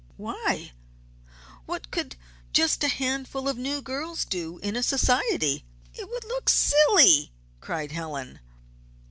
"Why, what could just a handful of new girls do in a society? It would look silly," cried Helen.